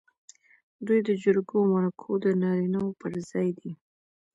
دوی د جرګو او مرکو د نارینه و پر ځای دي.